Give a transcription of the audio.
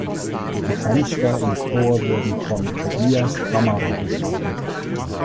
Die Fenster im Chor wurden von Tobias Kammerer geschaffen.